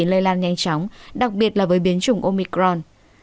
lây lan nhanh chóng đặc biệt là với biến chủng omicron